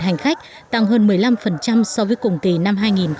hành khách tăng hơn một mươi năm so với cùng kỳ năm hai nghìn một mươi tám